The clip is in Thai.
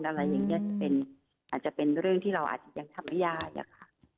อาจจะเป็นเรื่องที่เราอาจจะยังทำยาก